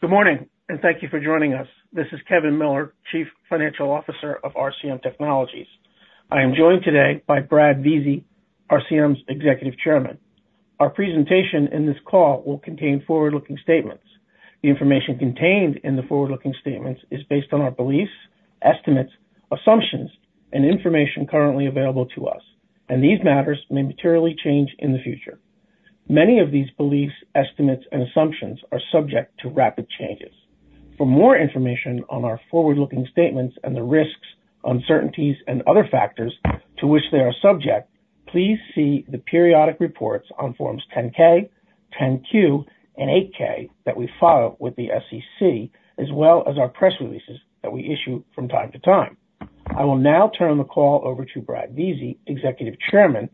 Good morning, and thank you for joining us. This is Kevin Miller, Chief Financial Officer of RCM Technologies. I am joined today by Brad Vizi, RCM's Executive Chairman. Our presentation in this call will contain forward-looking statements. The information contained in the forward-looking statements is based on our beliefs, estimates, assumptions, and information currently available to us, and these matters may materially change in the future. Many of these beliefs, estimates, and assumptions are subject to rapid changes. For more information on our forward-looking statements and the risks, uncertainties, and other factors to which they are subject, please see the periodic reports on Forms 10-K, 10-Q, and 8-K that we file with the SEC, as well as our press releases that we issue from time to time. I will now turn the call over to Brad Vizi, Executive Chairman,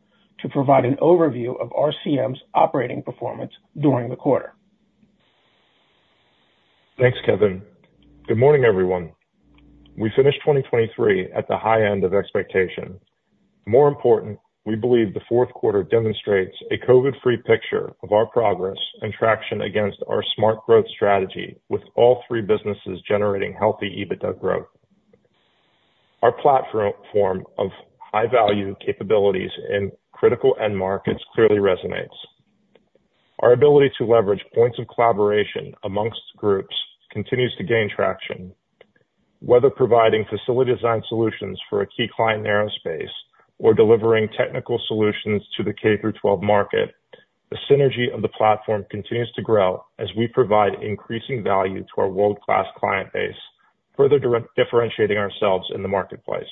to provide an overview of RCM's operating performance during the quarter. Thanks, Kevin. Good morning, everyone. We finished 2023 at the high end of expectation. More important, we believe the fourth quarter demonstrates a COVID-free picture of our progress and traction against our smart growth strategy, with all three businesses generating healthy EBITDA growth. Our platform of high-value capabilities in critical end markets clearly resonates. Our ability to leverage points of collaboration among groups continues to gain traction. Whether providing facility design solutions for a key client in aerospace or delivering technical solutions to the K-12 market, the synergy of the platform continues to grow as we provide increasing value to our world-class client base, further differentiating ourselves in the marketplace.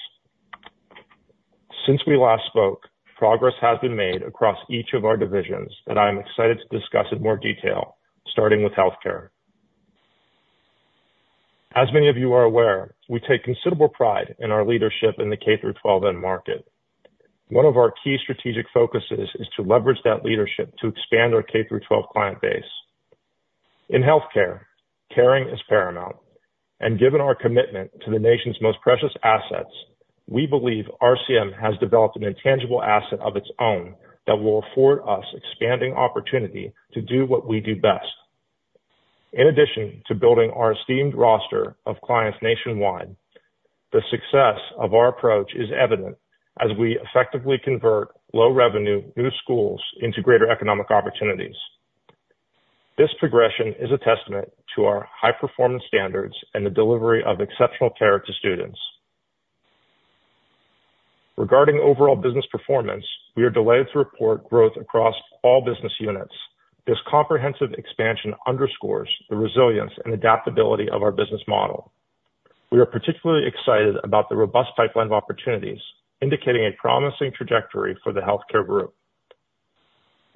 Since we last spoke, progress has been made across each of our divisions that I am excited to discuss in more detail, starting with Healthcare. As many of you are aware, we take considerable pride in our leadership in the K-12 end market. One of our key strategic focuses is to leverage that leadership to expand our K-12 client base. In Healthcare, caring is paramount, and given our commitment to the nation's most precious assets, we believe RCM has developed an intangible asset of its own that will afford us expanding opportunity to do what we do best. In addition to building our esteemed roster of clients nationwide, the success of our approach is evident as we effectively convert low-revenue new schools into greater economic opportunities. This progression is a testament to our high-performance standards and the delivery of exceptional care to students. Regarding overall business performance, we are delighted to report growth across all business units. This comprehensive expansion underscores the resilience and adaptability of our business model. We are particularly excited about the robust pipeline of opportunities, indicating a promising trajectory for the Healthcare group.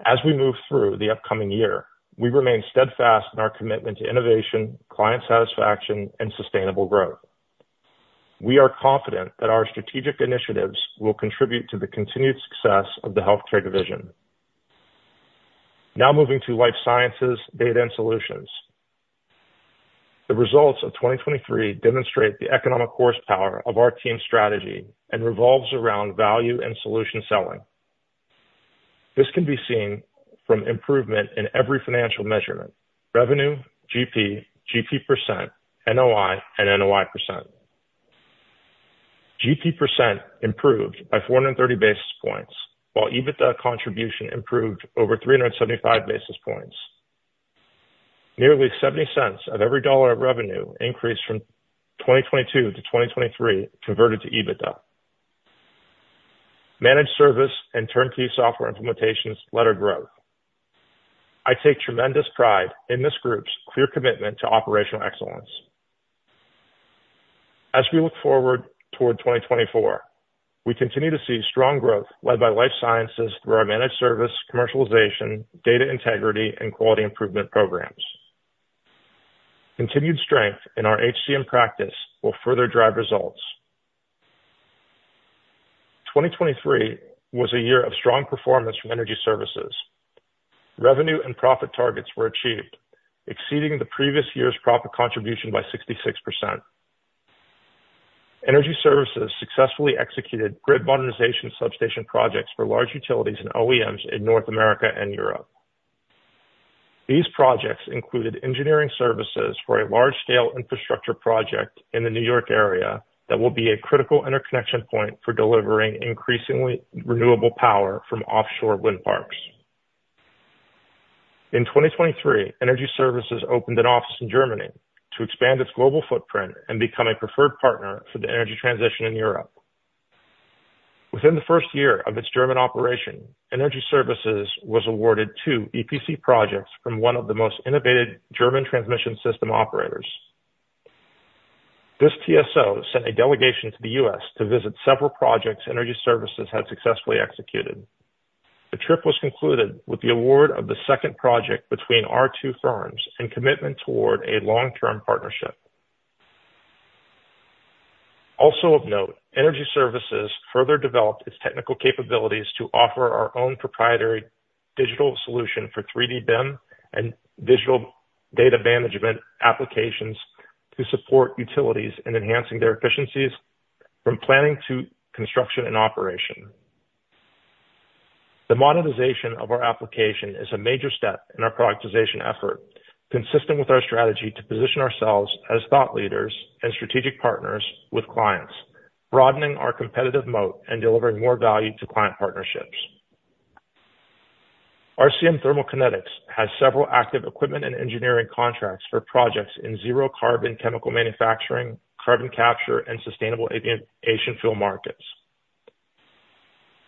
As we move through the upcoming year, we remain steadfast in our commitment to innovation, client satisfaction, and sustainable growth. We are confident that our strategic initiatives will contribute to the continued success of the Healthcare division. Now moving to Life Sciences, Data, and Solutions. The results of 2023 demonstrate the economic horsepower of our team's strategy and revolves around value and solution selling. This can be seen from improvement in every financial measurement: revenue, GP, GP%, NOI, and NOI%. GP% improved by 430 basis points, while EBITDA contribution improved over 375 basis points. Nearly 70 cents of every dollar of revenue increased from 2022 to 2023 converted to EBITDA. Managed service and turnkey software implementations led our growth. I take tremendous pride in this group's clear commitment to operational excellence. As we look forward toward 2024, we continue to see strong growth led by Life Sciences through our managed service, commercialization, data integrity, and quality improvement programs. Continued strength in our HCM practice will further drive results. 2023 was a year of strong performance from Energy Services. Revenue and profit targets were achieved, exceeding the previous year's profit contribution by 66%. Energy Services successfully executed grid modernization substation projects for large utilities and OEMs in North America and Europe. These projects included Engineering Services for a large-scale infrastructure project in the New York area that will be a critical interconnection point for delivering increasingly renewable power from offshore wind parks. In 2023, Energy Services opened an office in Germany to expand its global footprint and become a preferred partner for the energy transition in Europe. Within the first year of its German operation, Energy Services was awarded two EPC projects from one of the most innovative German transmission system operators. This TSO sent a delegation to the U.S. to visit several projects Energy Services had successfully executed. The trip was concluded with the award of the second project between our two firms and commitment toward a long-term partnership. Also of note, Energy Services further developed its technical capabilities to offer our own proprietary digital solution for 3D BIM and digital data management applications to support utilities in enhancing their efficiencies from planning to construction and operation. The monetization of our application is a major step in our productization effort, consistent with our strategy to position ourselves as thought leaders and strategic partners with clients, broadening our competitive moat and delivering more value to client partnerships. RCM Thermal Kinetics has several active equipment and Engineering contracts for projects in zero-carbon chemical manufacturing, carbon capture, and sustainable aviation fuel markets.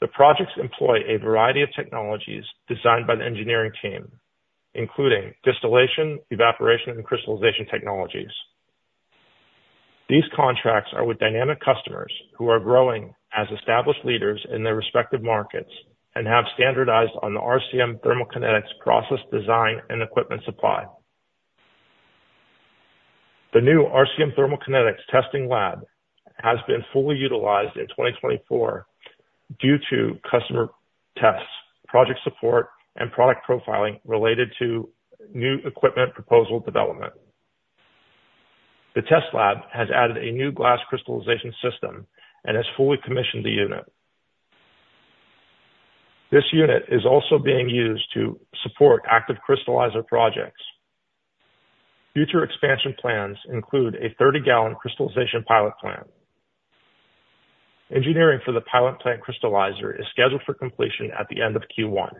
The projects employ a variety of technologies designed by the Engineering team, including distillation, evaporation, and crystallization technologies. These contracts are with dynamic customers who are growing as established leaders in their respective markets and have standardized on the RCM Thermal Kinetics process design and equipment supply. The new RCM Thermal Kinetics testing lab has been fully utilized in 2024 due to customer tests, project support, and product profiling related to new equipment proposal development. The test lab has added a new glass crystallization system and has fully commissioned the unit. This unit is also being used to support active crystallizer projects. Future expansion plans include a 30 gal crystallization pilot plant. Engineering for the pilot plant crystallizer is scheduled for completion at the end of Q1.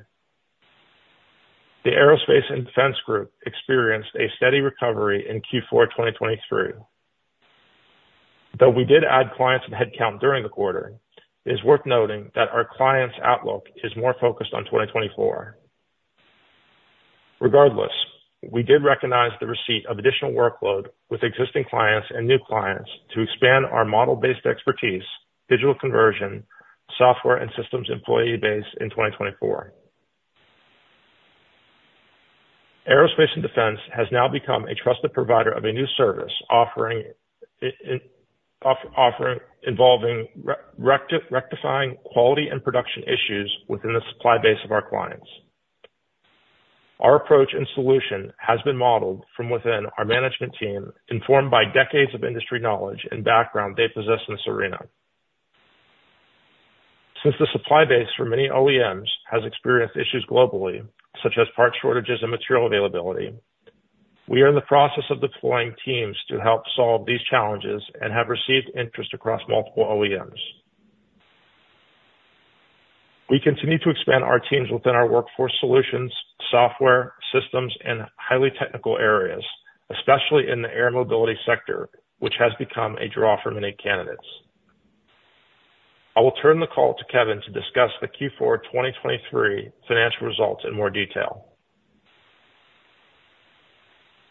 The Aerospace and Defense group experienced a steady recovery in Q4 2023. Though we did add clients in headcount during the quarter, it is worth noting that our clients' outlook is more focused on 2024. Regardless, we did recognize the receipt of additional workload with existing clients and new clients to expand our model-based expertise, digital conversion, software, and systems employee base in 2024. Aerospace and Defense has now become a trusted provider of a new service involving rectifying quality and production issues within the supply base of our clients. Our approach and solution has been modeled from within our management team, informed by decades of industry knowledge and background they possess in this arena. Since the supply base for many OEMs has experienced issues globally, such as part shortages and material availability, we are in the process of deploying teams to help solve these challenges and have received interest across multiple OEMs. We continue to expand our teams within our workforce solutions, software, systems, and highly technical areas, especially in the air mobility sector, which has become a draw for many candidates. I will turn the call to Kevin to discuss the Q4 2023 financial results in more detail.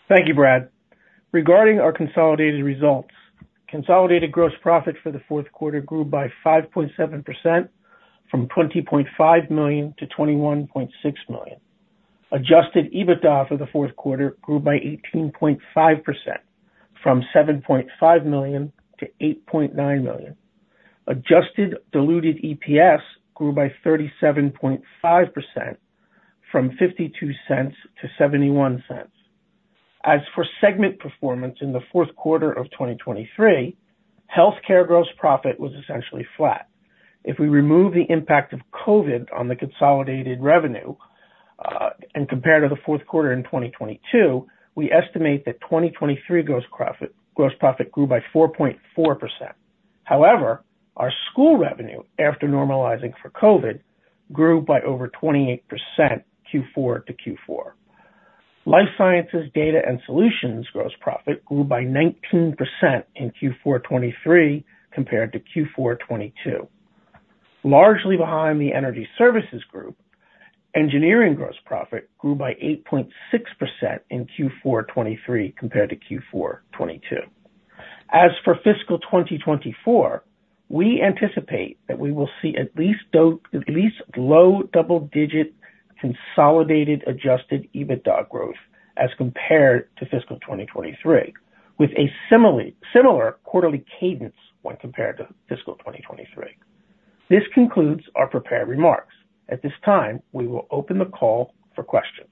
Thank you, Brad. Regarding our consolidated results, consolidated gross profit for the fourth quarter grew by 5.7% from $20.5 million-$21.6 million. Adjusted EBITDA for the fourth quarter grew by 18.5% from $7.5 million-$8.9 million. Adjusted diluted EPS grew by 37.5% from $0.52-$0.71. As for segment performance in the fourth quarter of 2023, Healthcare gross profit was essentially flat. If we remove the impact of COVID on the consolidated revenue and compare to the fourth quarter in 2022, we estimate that 2023 gross profit grew by 4.4%. However, our school revenue after normalizing for COVID grew by over 28% Q4-Q4. Life Sciences, Data and Solutions gross profit grew by 19% in Q4 2023 compared to Q4 2022. Largely behind the Energy Services group, Engineering gross profit grew by 8.6% in Q4 2023 compared to Q4 2022. As for fiscal 2024, we anticipate that we will see at least low double-digit consolidated Adjusted EBITDA growth as compared to fiscal 2023, with a similar quarterly cadence when compared to fiscal 2023. This concludes our prepared remarks. At this time, we will open the call for questions.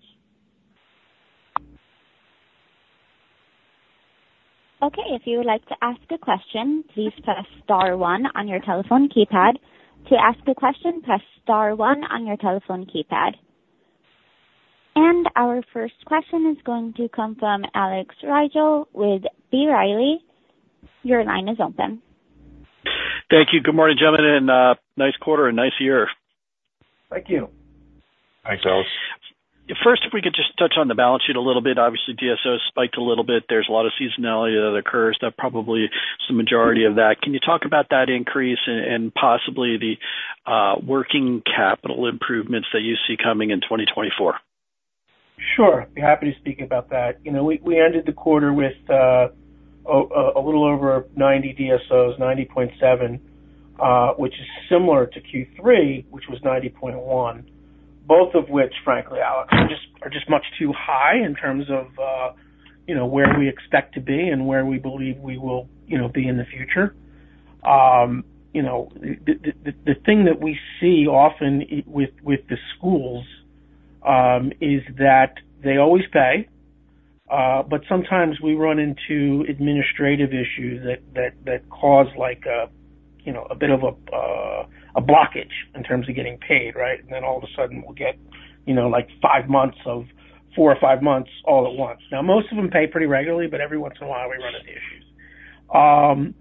Okay. If you would like to ask a question, please press star one on your telephone keypad. To ask a question, press star one on your telephone keypad. Our first question is going to come from Alex Rygiel with B. Riley. Your line is open. Thank you. Good morning, gentlemen, and nice quarter and nice year. Thank you. Thanks, Alex. First, if we could just touch on the balance sheet a little bit. Obviously, TSO spiked a little bit. There's a lot of seasonality that occurs. That's probably the majority of that. Can you talk about that increase and possibly the working capital improvements that you see coming in 2024? Sure. I'd be happy to speak about that. We ended the quarter with a little over 90 DSOs, 90.7, which is similar to Q3, which was 90.1, both of which, frankly, Alex, are just much too high in terms of where we expect to be and where we believe we will be in the future. The thing that we see often with the schools is that they always pay, but sometimes we run into administrative issues that cause a bit of a blockage in terms of getting paid, right? And then all of a sudden, we'll get four or five months all at once. Now, most of them pay pretty regularly, but every once in a while, we run into issues.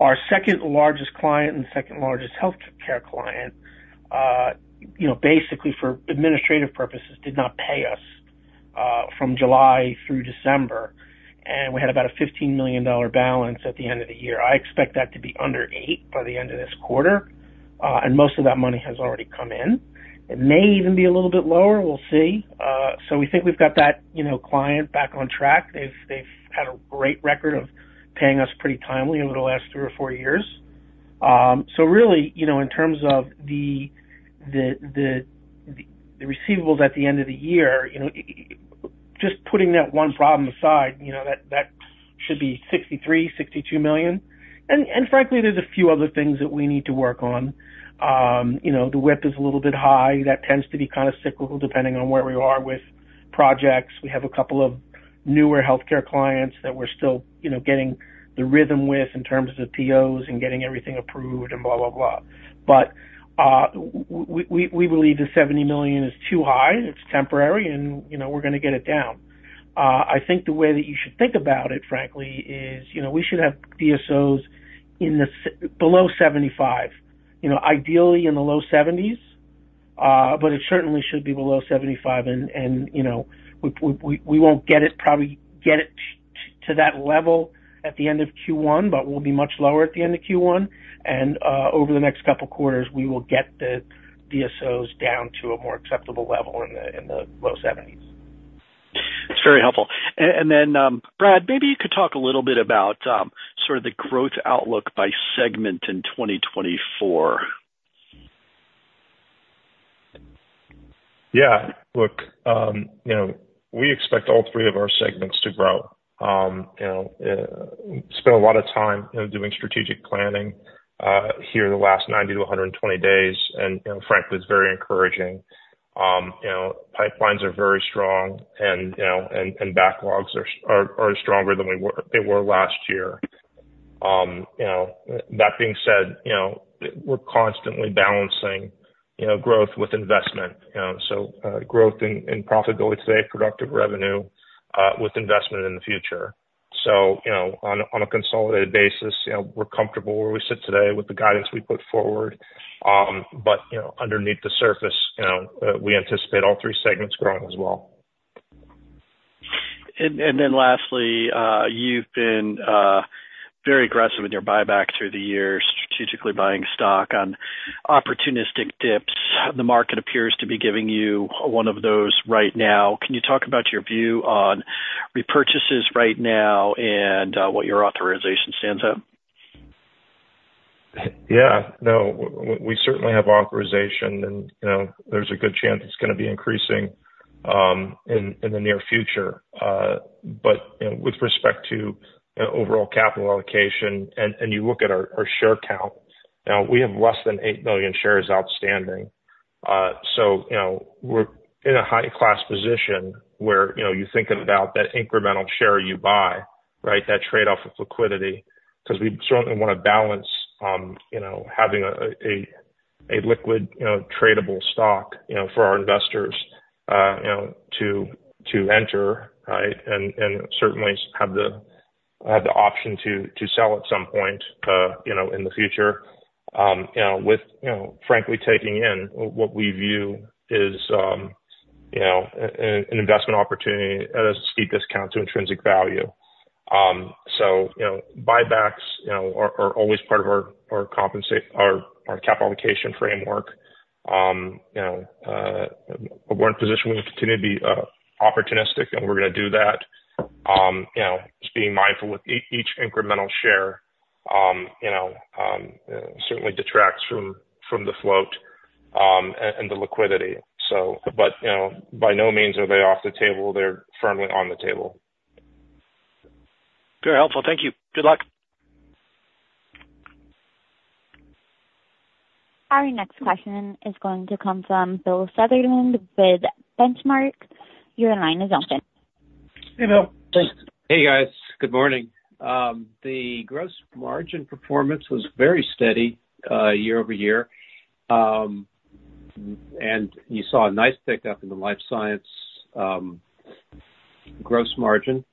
Our second largest client and second largest Healthcare client, basically for administrative purposes, did not pay us from July through December, and we had about a $15 million balance at the end of the year. I expect that to be under $8 million by the end of this quarter, and most of that money has already come in. It may even be a little bit lower. We'll see. So we think we've got that client back on track. They've had a great record of paying us pretty timely over the last three or four years. So really, in terms of the receivables at the end of the year, just putting that one problem aside, that should be $62-$63 million. And frankly, there's a few other things that we need to work on. The WIP is a little bit high. That tends to be kind of cyclical depending on where we are with projects. We have a couple of newer Healthcare clients that we're still getting the rhythm with in terms of POs and getting everything approved and blah, blah, blah. But we believe the $70 million is too high. It's temporary, and we're going to get it down. I think the way that you should think about it, frankly, is we should have DSOs below 75, ideally in the low 70s, but it certainly should be below 75. And we won't probably get it to that level at the end of Q1, but we'll be much lower at the end of Q1. And over the next couple of quarters, we will get the DSOs down to a more acceptable level in the low 70s. That's very helpful. And then, Brad, maybe you could talk a little bit about sort of the growth outlook by segment in 2024. Yeah. Look, we expect all three of our segments to grow. We spent a lot of time doing strategic planning here the last 90-120 days, and frankly, it's very encouraging. Pipelines are very strong, and backlogs are stronger than they were last year. That being said, we're constantly balancing growth with investment, so growth in profitability today, productive revenue with investment in the future. So on a consolidated basis, we're comfortable where we sit today with the guidance we put forward. But underneath the surface, we anticipate all three segments growing as well. And then lastly, you've been very aggressive in your buyback through the year, strategically buying stock on opportunistic dips. The market appears to be giving you one of those right now. Can you talk about your view on repurchases right now and what your authorization stands at? Yeah. No, we certainly have authorization, and there's a good chance it's going to be increasing in the near future. But with respect to overall capital allocation, and you look at our share count, now, we have less than 8 million shares outstanding. So we're in a high-class position where you think about that incremental share you buy, right, that trade-off of liquidity, because we certainly want to balance having a liquid, tradable stock for our investors to enter, right, and certainly have the option to sell at some point in the future. With, frankly, taking in what we view is an investment opportunity at a steep discount to intrinsic value. So buybacks are always part of our capital allocation framework. We're in a position where we continue to be opportunistic, and we're going to do that. Just being mindful with each incremental share certainly detracts from the float and the liquidity, so. But by no means are they off the table. They're firmly on the table. Very helpful. Thank you. Good luck. Our next question is going to come from Bill Sutherland with Benchmark. Your line is open. Hey, Bill. Thanks. Hey, guys. Good morning. The gross margin performance was very steady year-over-year, and you saw a nice pickup in the Life Sciences gross margin.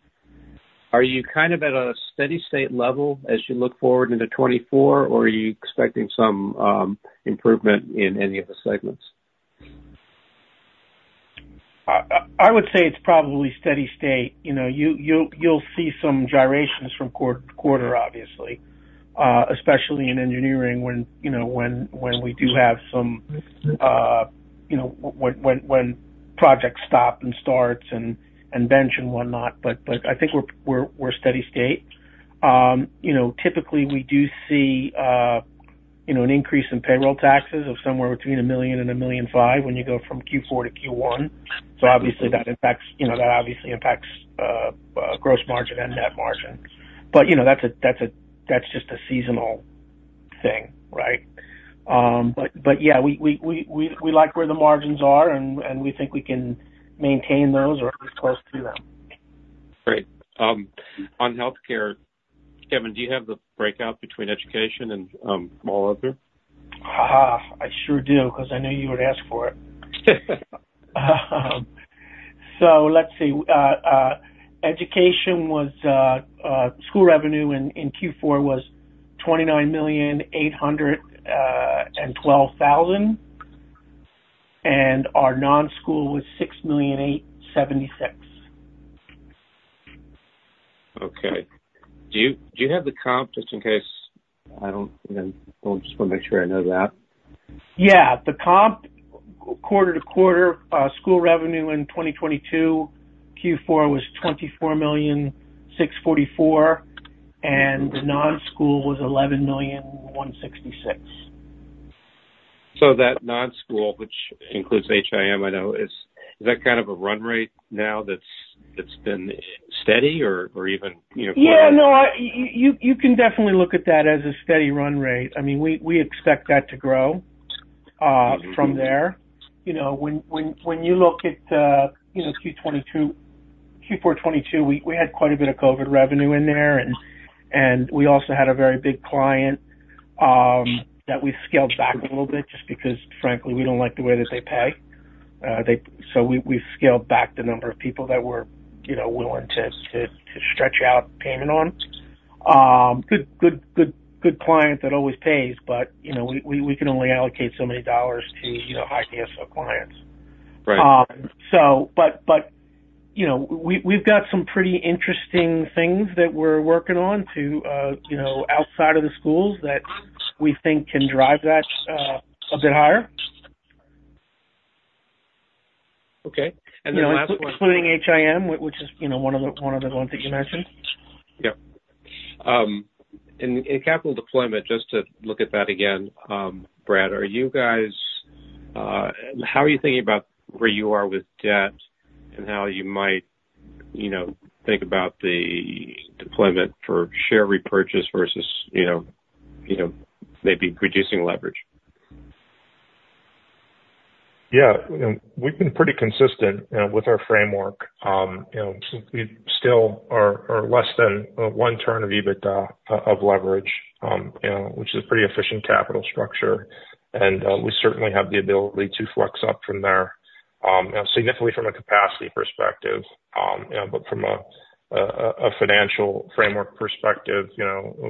Are you kind of at a steady-state level as you look forward into 2024, or are you expecting some improvement in any of the segments? I would say it's probably steady-state. You'll see some gyrations from quarter to quarter, obviously, especially in engineering when we do have some projects stop and start and bench and whatnot. But I think we're steady-state. Typically, we do see an increase in payroll taxes of somewhere between $1 million and $1.5 million when you go from Q4 to Q1. So obviously, that impacts gross margin and net margin. But that's just a seasonal thing, right? But yeah, we like where the margins are, and we think we can maintain those or at least close to them. Great. On Healthcare, Kevin, do you have the breakout between education and all other? I sure do because I knew you would ask for it. So let's see. Education was school revenue in Q4 was $29,812,000, and our non-school was $6,876. Okay. Do you have the comp just in case I don't, just want to make sure I know that. Yeah. The comp quarter-to-quarter, school revenue in 2022 Q4 was $24,644, and the non-school was $11,166. That non-school, which includes HIM, I know, is that kind of a run rate now that's been steady or even? Yeah. No, you can definitely look at that as a steady run rate. I mean, we expect that to grow from there. When you look at Q4 2022, we had quite a bit of COVID revenue in there, and we also had a very big client that we scaled back a little bit just because, frankly, we don't like the way that they pay. So we've scaled back the number of people that we're willing to stretch out payment on. Good client that always pays, but we can only allocate so many dollars to high DSO clients. But we've got some pretty interesting things that we're working on outside of the schools that we think can drive that a bit higher. Okay. And the last one. Including HIM, which is one of the ones that you mentioned. Yep. In capital deployment, just to look at that again, Brad, are you guys how are you thinking about where you are with debt and how you might think about the deployment for share repurchase versus maybe reducing leverage? Yeah. We've been pretty consistent with our framework. We still are less than one turn of EBITDA of leverage, which is a pretty efficient capital structure. And we certainly have the ability to flex up from there, significantly from a capacity perspective. But from a financial framework perspective,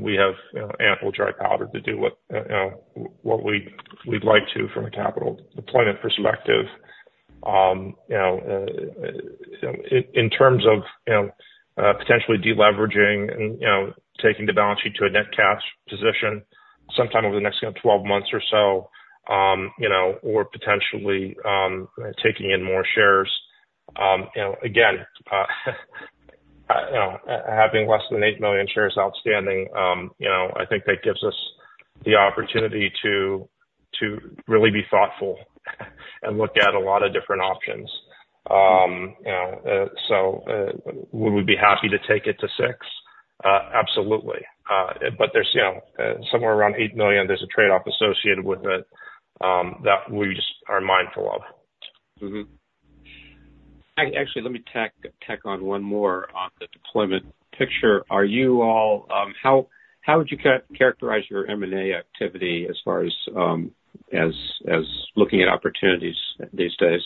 we have ample dry powder to do what we'd like to from a capital deployment perspective. In terms of potentially deleveraging and taking the balance sheet to a net cash position sometime over the next 12 months or so or potentially taking in more shares, again, having less than 8 million shares outstanding, I think that gives us the opportunity to really be thoughtful and look at a lot of different options. So would we be happy to take it to 6? Absolutely. But somewhere around 8 million, there's a trade-off associated with it that we just are mindful of. Actually, let me tack on one more on the deployment picture. How would you characterize your M&A activity as far as looking at opportunities these days?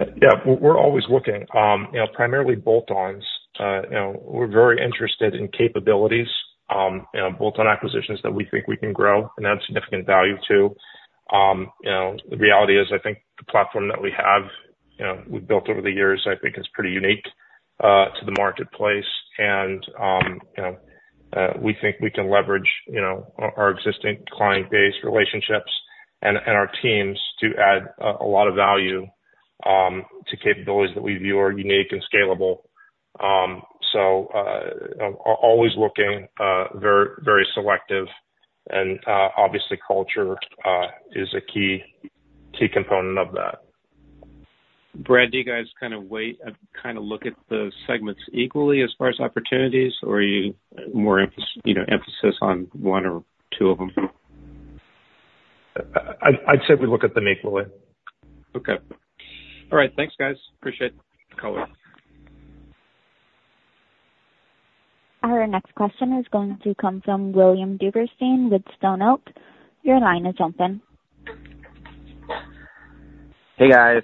Yeah. We're always looking, primarily bolt-ons. We're very interested in capabilities, bolt-on acquisitions that we think we can grow and add significant value to. The reality is, I think the platform that we have we've built over the years, I think, is pretty unique to the marketplace. And we think we can leverage our existing client base relationships and our teams to add a lot of value to capabilities that we view are unique and scalable. So always looking, very selective. And obviously, culture is a key component of that. Brad, do you guys kind of look at the segments equally as far as opportunities, or are you more emphasis on one or two of them? I'd say we look at them equally. Okay. All right. Thanks, guys. Appreciate the color. Our next question is going to come from William Duberstein with Stone Oak. Your line is open. Hey, guys.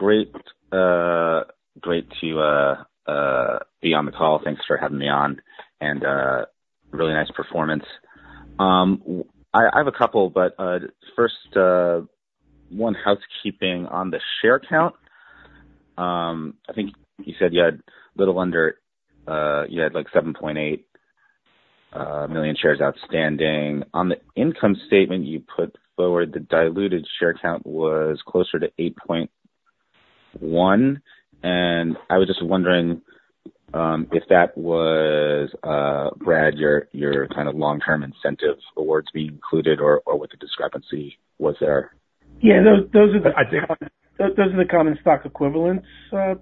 Great to be on the call. Thanks for having me on. Really nice performance. I have a couple, but first, one housekeeping on the share count. I think you said you had a little under 7.8 million shares outstanding. On the income statement you put forward, the diluted share count was closer to 8.1. I was just wondering if that was, Brad, your kind of long-term incentive awards being included or what the discrepancy was there. Yeah. Those are the common stock equivalents,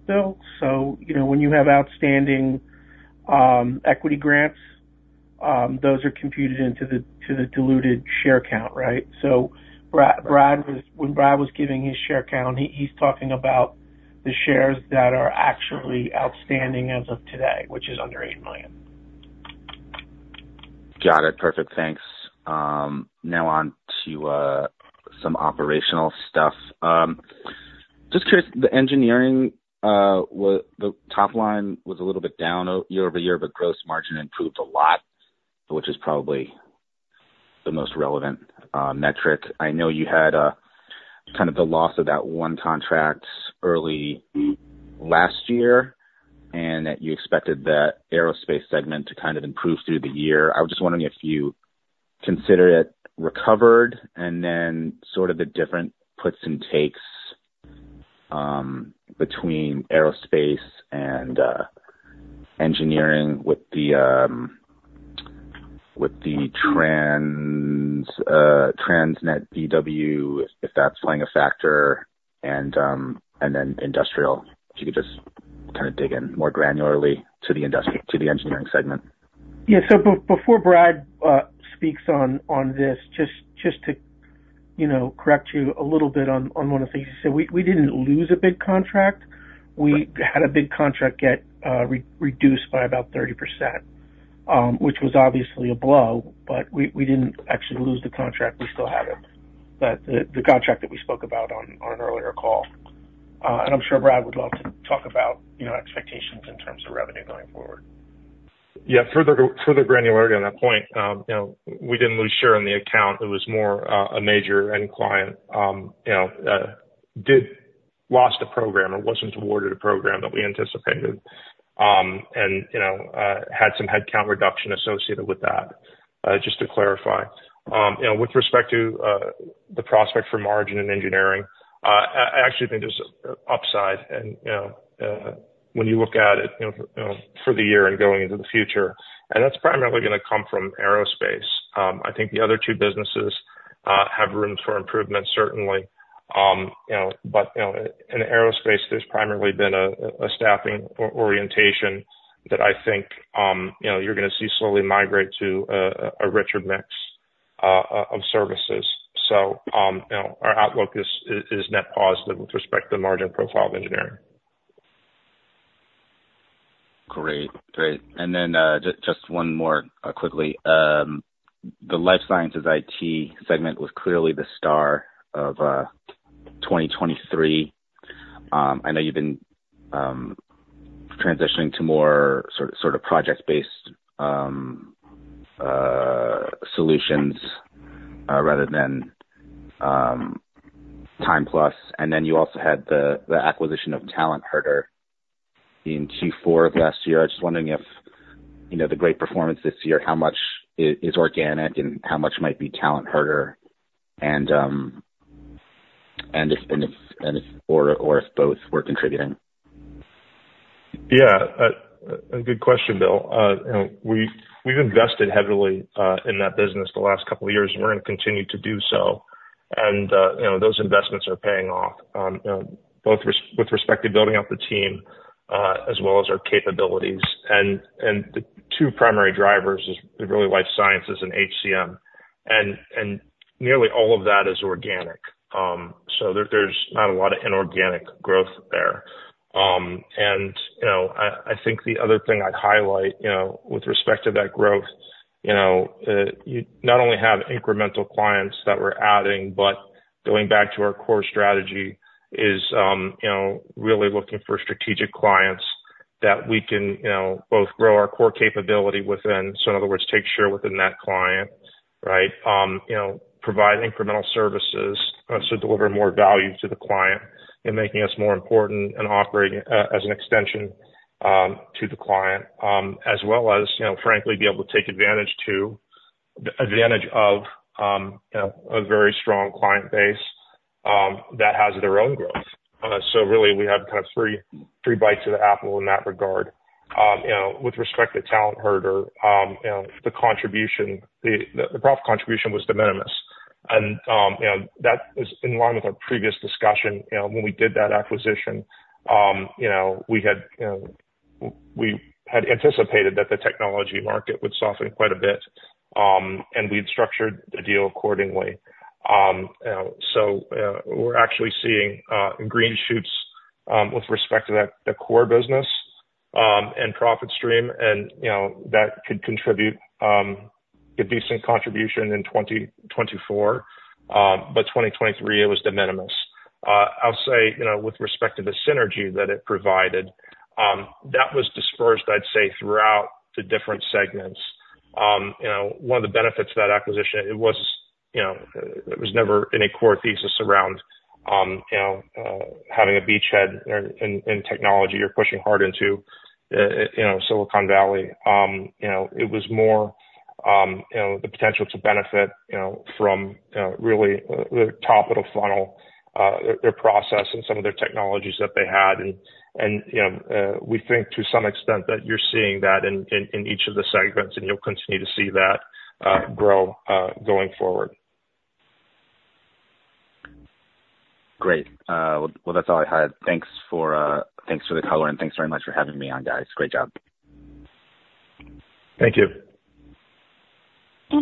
Bill. So when you have outstanding equity grants, those are computed into the diluted share count, right? So when Brad was giving his share count, he's talking about the shares that are actually outstanding as of today, which is under 8 million. Got it. Perfect. Thanks. Now on to some operational stuff. Just curious, the engineering, the top line was a little bit down year-over-year, but gross margin improved a lot, which is probably the most relevant metric. I know you had kind of the loss of that one contract early last year and that you expected that aerospace segment to kind of improve through the year. I was just wondering if you consider it recovered and then sort of the different puts and takes between aerospace and engineering with the TransnetBW, if that's playing a factor, and then industrial, if you could just kind of dig in more granularly to the Engineering segment. Yeah. So before Brad speaks on this, just to correct you a little bit on one of the things you said, we didn't lose a big contract. We had a big contract get reduced by about 30%, which was obviously a blow, but we didn't actually lose the contract. We still had it, the contract that we spoke about on an earlier call. I'm sure Brad would love to talk about expectations in terms of revenue going forward. Yeah. Further granularity on that point, we didn't lose share in the account. It was more a major end client did lose a program or wasn't awarded a program that we anticipated and had some headcount reduction associated with that, just to clarify. With respect to the prospect for margin and engineering, I actually think there's an upside. When you look at it for the year and going into the future, and that's primarily going to come from aerospace, I think the other two businesses have room for improvement, certainly. In aerospace, there's primarily been a staffing orientation that I think you're going to see slowly migrate to a richer mix of services. So our outlook is net positive with respect to the margin profile of engineering. Great. Great. And then just one more quickly. The Life Sciences IT segment was clearly the star of 2023. I know you've been transitioning to more sort of project-based solutions rather than TimePlus. And then you also had the acquisition of TalentHerder in Q4 of last year. I was just wondering, for the great performance this year, how much is organic and how much might be TalentHerder, and if or if both were contributing. Yeah. A good question, Will. We've invested heavily in that business the last couple of years, and we're going to continue to do so. Those investments are paying off both with respect to building up the team as well as our capabilities. The two primary drivers are really Life Sciences and HCM. Nearly all of that is organic. So there's not a lot of inorganic growth there. I think the other thing I'd highlight with respect to that growth, you not only have incremental clients that we're adding, but going back to our core strategy is really looking for strategic clients that we can both grow our core capability within, so in other words, take share within that client, right, provide incremental services, so deliver more value to the client and making us more important and operating as an extension to the client, as well as, frankly, be able to take advantage to the advantage of a very strong client base that has their own growth. So really, we have kind of three bites of the apple in that regard. With respect to TalentHerder, the profit contribution was de minimis. That is in line with our previous discussion. When we did that acquisition, we had anticipated that the technology market would soften quite a bit, and we'd structured the deal accordingly. So we're actually seeing green shoots with respect to the core business and profit stream, and that could contribute a decent contribution in 2024. But 2023, it was de minimis. I'll say with respect to the synergy that it provided, that was dispersed, I'd say, throughout the different segments. One of the benefits of that acquisition, it was never any core thesis around having a beachhead in technology. You're pushing hard into Silicon Valley. It was more the potential to benefit from really the top of the funnel, their process, and some of their technologies that they had. And we think to some extent that you're seeing that in each of the segments, and you'll continue to see that grow going forward. Great. Well, that's all I had. Thanks for the color, and thanks very much for having me on, guys. Great job. Thank you.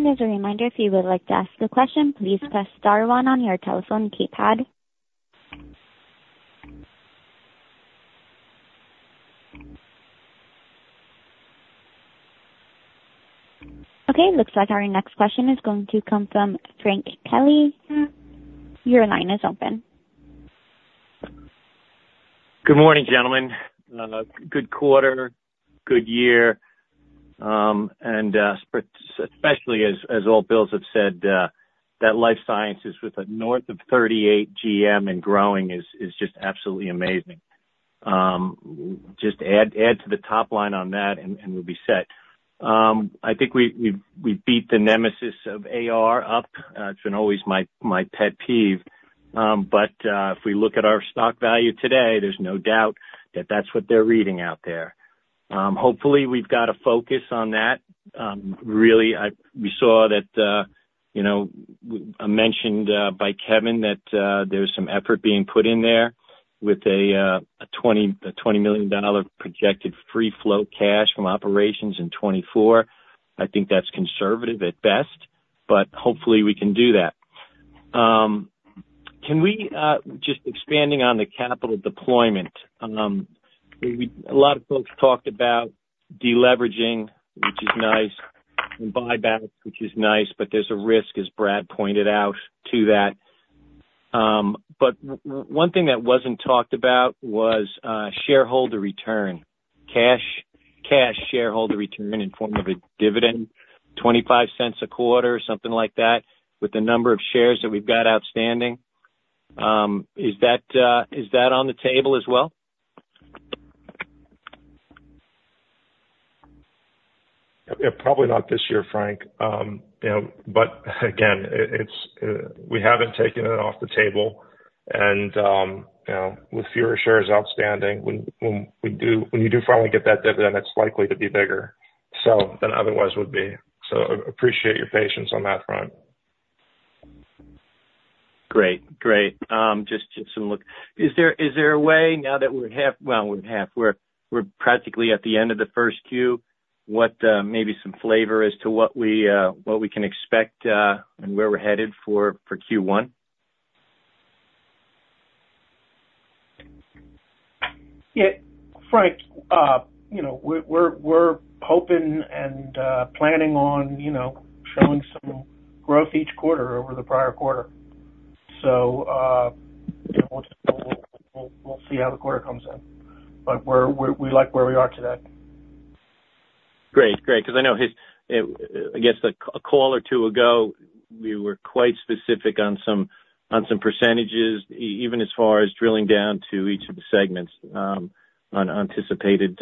As a reminder, if you would like to ask a question, please press star one on your telephone keypad. Okay. Looks like our next question is going to come from Frank Kelly. Your line is open. Good morning, gentlemen. Good quarter, good year. Especially, as all Bills have said, that Life Sciences with a north of 38 GM and growing is just absolutely amazing. Just add to the top line on that, and we'll be set. I think we've beat the nemesis of AR up. It's been always my pet peeve. If we look at our stock value today, there's no doubt that that's what they're reading out there. Hopefully, we've got to focus on that. Really, as mentioned by Kevin, that there's some effort being put in there with a $20 million projected free cash flow from operations in 2024. I think that's conservative at best, but hopefully, we can do that. Just expanding on the capital deployment, a lot of folks talked about deleveraging, which is nice, and buybacks, which is nice, but there's a risk, as Brad pointed out, to that. But one thing that wasn't talked about was shareholder return, cash shareholder return in form of a dividend, $0.25 a quarter, something like that, with the number of shares that we've got outstanding. Is that on the table as well? Probably not this year, Frank. But again, we haven't taken it off the table. And with fewer shares outstanding, when you do finally get that dividend, it's likely to be bigger than it otherwise would be. So I appreciate your patience on that front. Great. Just some outlook. Is there a way now that we're halfway? Well, we're practically at the end of the 1Q. What, maybe some flavor as to what we can expect and where we're headed for Q1? Yeah. Frank, we're hoping and planning on showing some growth each quarter over the prior quarter. So we'll see how the quarter comes in. But we like where we are today. Great. Great. Because I know, I guess, a call or two ago, we were quite specific on some percentages, even as far as drilling down to each of the segments, on anticipated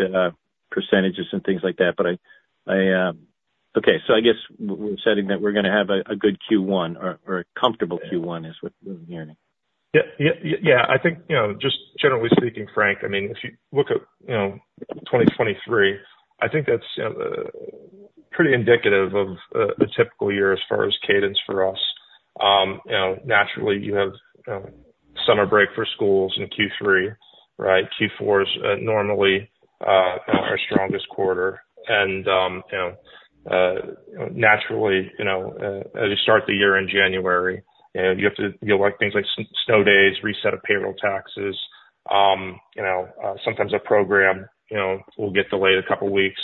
percentages and things like that. Okay. So I guess we're setting that we're going to have a good Q1 or a comfortable Q1 is what I'm hearing. Yeah. Yeah. Yeah. I think just generally speaking, Frank, I mean, if you look at 2023, I think that's pretty indicative of a typical year as far as cadence for us. Naturally, you have summer break for schools in Q3, right? Q4 is normally our strongest quarter. And naturally, as you start the year in January, you'll like things like snow days, reset of payroll taxes. Sometimes a program will get delayed a couple of weeks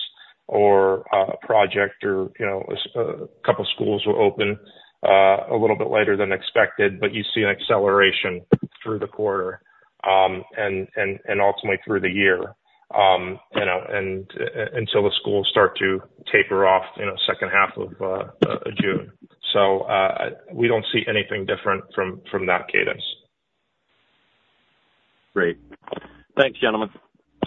or a project or a couple of schools will open a little bit later than expected, but you see an acceleration through the quarter and ultimately through the year until the schools start to taper off in the second half of June. So we don't see anything different from that cadence. Great. Thanks, gentlemen.